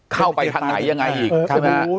เข้าไปทางไหนยังไงอีก